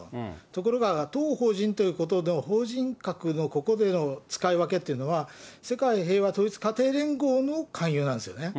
ところが当法人ということの法人格のここでの使い分けというのは、世界平和統一家庭連合の勧誘なんですよね。